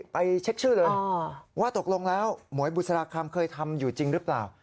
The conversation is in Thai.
ไปเช็คชื่อเลยว่าตกลงแล้วหมวยบุษราคำเคยทำอยู่จริงหรือเปล่า